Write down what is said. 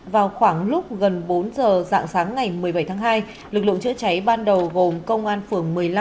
vào khoảng lúc gần bốn giờ dạng sáng ngày một mươi bảy tháng hai lực lượng chữa cháy ban đầu gồm công an phường một mươi năm